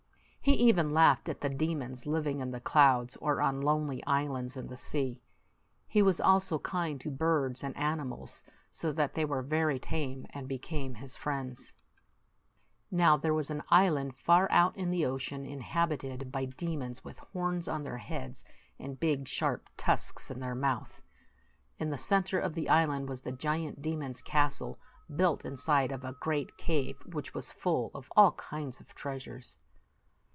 He even laughed at the demons living in the clouds or on lonely islands in the sea. He was also kind to birds and animals, so that they were very tame, and became his friends. Now, there was an island far out in the ocean inhabited by demons with horns on their heads, and big, sharp tusks in their mouths. In the center of the island was the giant demon's castle, 74 built inside of a great cave, which was full of all kinds of treasures.